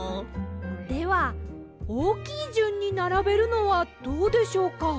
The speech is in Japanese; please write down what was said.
ではおおきいじゅんにならべるのはどうでしょうか？